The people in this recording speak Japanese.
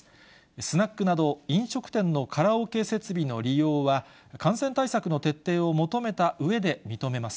スナックなど飲食店のカラオケ設備の利用は、感染対策の徹底を求めたうえで認めます。